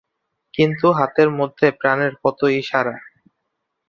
কিন্তু হাতের মধ্যে প্রাণের কত ইশারা!